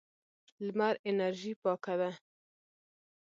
لمر انرژي پاکه ده.